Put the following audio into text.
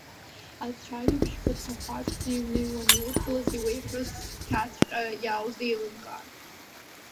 Ацәажәабжьқәа ҭахәаҽӡа иҩныҩуан, иудгылаз иуеиҳәоз цқьаҵәҟьа иааузеилымкаартә.